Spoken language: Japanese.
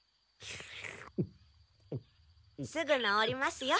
すぐなおりますよ。